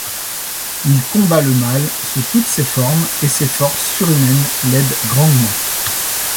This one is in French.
Il combat le mal sous toutes ses formes et ses forces surhumaines l'aident grandement.